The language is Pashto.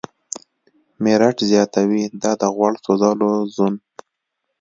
میرټ زیاتوي، دا د "غوړ سوځولو زون